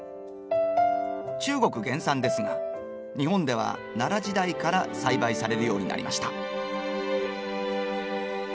中国原産ですが日本では奈良時代から栽培されるようになりました。